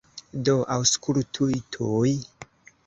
Do, aŭskultu tuj!